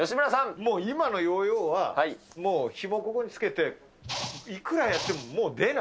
もう今のヨーヨーは、もう、ひもここにつけて、いくらやってももう出ない。